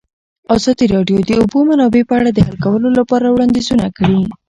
ازادي راډیو د د اوبو منابع په اړه د حل کولو لپاره وړاندیزونه کړي.